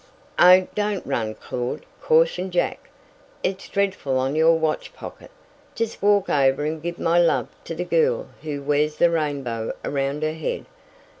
"Oh, don't run, Claud;" cautioned Jack. "It's dreadful on your watch pocket. Just walk over and give my love to the girl who wears the rainbow around her head.